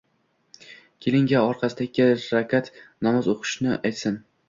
Kelinga – orqasida – ikki rakat namoz o‘qishni aytsin.